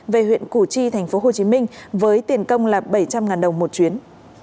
về huyện củ chi tp hcm với tiền công là bảy trăm linh đồng một chuyến